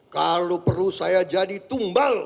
kalau perlu saya jadi tumbal